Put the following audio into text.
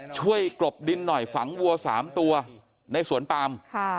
กลบดินหน่อยฝังวัว๓ตัวในสวนปาม